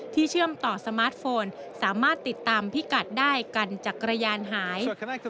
เชื่อมต่อสมาร์ทโฟนสามารถติดตามพิกัดได้กันจักรยานหาย